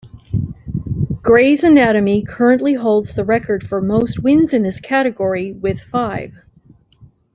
"Grey's Anatomy" currently holds the record for most wins in this category with five.